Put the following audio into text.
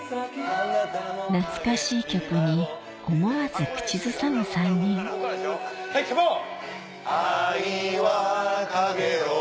懐かしい曲に思わず口ずさむ３人はいカモン！